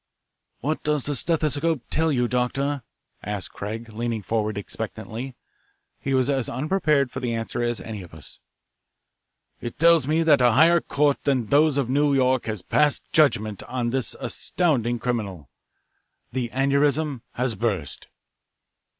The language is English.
"What does the stethoscope tell you, Doctor?" asked Craig, leaning forward expectantly. He was as unprepared for the answer as any of us. "It tells me that a higher court than those of New York has passed judgment on this astounding criminal. The aneurism has burst."